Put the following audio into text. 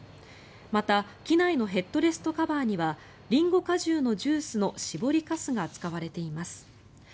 また、機内のヘッドレストカバーにはリンゴ果汁のジュースの搾りかすが使われています。